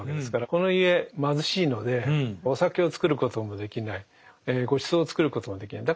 この家貧しいのでお酒を造ることもできないごちそうを作ることもできない。